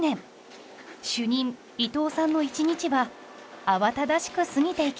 主任伊藤さんの一日は慌ただしく過ぎていきます。